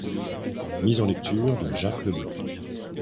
Mise en lecture de Jacques Leblanc.